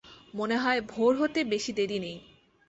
মনে হয় ভোর হতে বেশি দেরি নেই।